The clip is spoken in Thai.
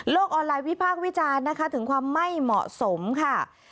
ออนไลน์วิพากษ์วิจารณ์นะคะถึงความไม่เหมาะสมค่ะ